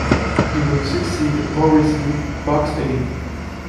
He would succeed Maurice Lee Barksdale.